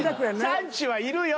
サンチュはいるよ。